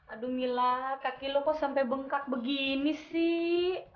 aduh mila kaki lo kok sampai bengkak begini sih